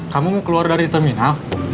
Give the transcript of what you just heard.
kamu keluar dari terminal